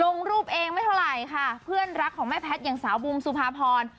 ลงรูปเองไม่เท่าไหร่ค่ะเพื่อนรักของแม่แพทย์อย่างสาวบูมสุภาพร